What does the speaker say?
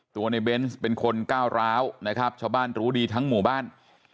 ตัวในเบนส์เป็นคนก้าวร้าวนะครับชาวบ้านรู้ดีทั้งหมู่บ้าน